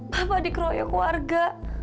bapak dikeroyok warga